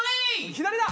左だ！